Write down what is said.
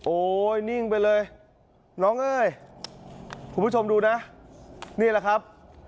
โอ้ยนิ่งไปเลยน้องเอ้ยคุณผู้ชมดูนะนี่แหละครับ